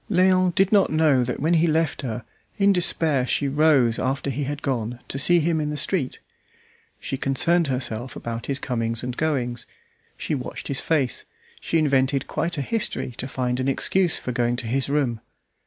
Léon did not know that when he left her in despair she rose after he had gone to see him in the street. She concerned herself about his comings and goings; she watched his face; she invented quite a history to find an excuse for going to his room.